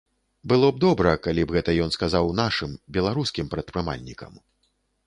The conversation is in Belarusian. Было б добра, калі б гэта ён сказаў нашым, беларускім прадпрымальнікам.